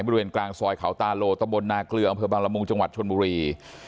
บริเวณกลางซอยเขาตาโลตะบลนาเกลืองบรมรมุงจังหวัดชวนบุรี